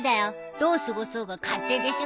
どう過ごそうが勝手でしょ。